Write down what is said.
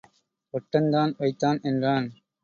ஒட்டன்தான் வைத்தான் என்றான்.